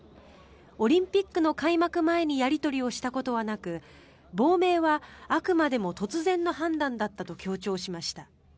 オリンピックの開幕前にやり取りをしたことはなく亡命はあくまでも突然の判断だったと強調しました。